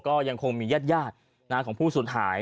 ก็ยังคงมีญาติของผู้สูญหาย